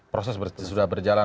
proses sudah berjalan